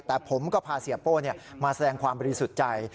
แต่ผมก็พาเสียโป้มาแสดงความบริสุทธิ์ใจ